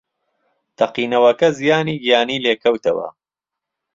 تەقینەوەکە زیانی گیانی لێکەوتەوە